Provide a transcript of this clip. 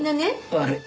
悪い。